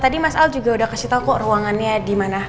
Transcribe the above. tadi mas al juga udah kasih tau kok ruangannya dimana